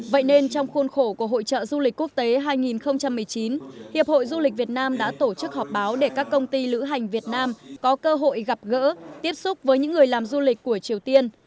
vậy nên trong khuôn khổ của hội trợ du lịch quốc tế hai nghìn một mươi chín hiệp hội du lịch việt nam đã tổ chức họp báo để các công ty lữ hành việt nam có cơ hội gặp gỡ tiếp xúc với những người làm du lịch của triều tiên